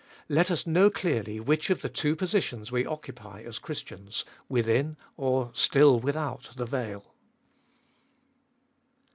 Let us know clearly which of the two positions we occupy as Christians— within or still without the veil.